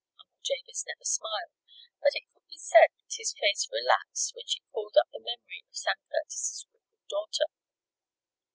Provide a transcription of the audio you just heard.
Uncle Jabez never smiled, but it could be said that his face relaxed when she called up the memory of Sam Curtis' crippled daughter.